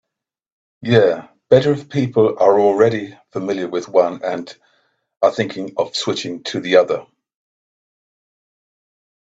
Yeah, better if people are already familiar with one and are thinking of switching to the other.